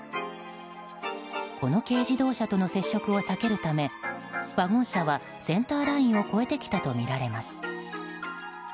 この軽自動車との接触を避けるためワゴン車はセンターラインを越えてきたとみられます。